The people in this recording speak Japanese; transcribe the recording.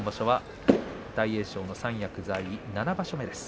大栄翔、今場所三役在位、７場所目です。